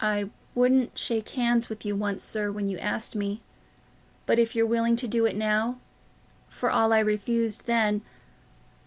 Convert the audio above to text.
"I wouldn't shake hands with you once, sir, when you asked me—but if you're willing to do it now, for all I refused then..."